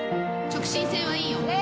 直進性はいいよ。